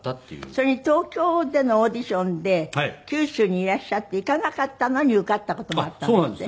それに東京でのオーディションで九州にいらしゃって行かなかったのに受かった事もあったんですって？